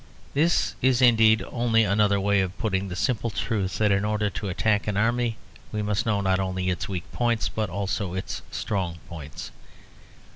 This is, indeed, only another way of putting the simple truth that in order to attack an army we must know not only its weak points, but also its strong points.